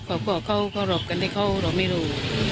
พวกเขาก็รบกันได้เข้าเราไม่รู้